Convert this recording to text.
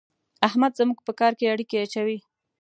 احمد زموږ په کار کې اړېکی اچوي.